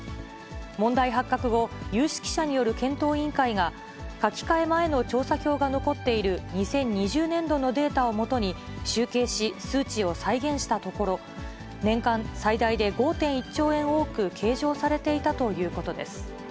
問題発覚後、有識者による検討委員会が、書き換え前の調査票が残っている２０２０年度のデータを基に集計し、数値を再現したところ、年間最大で５．１兆円多く計上されていたということです。